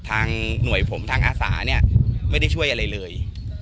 หน่วยผมทางอาสาเนี่ยไม่ได้ช่วยอะไรเลย